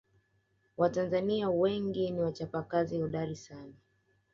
watanzania wengi ni wachapakazi hodari sana